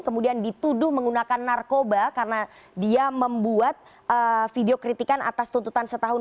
kemudian dituduh menggunakan narkoba karena dia membuat video kritikan atas tuntutan setahun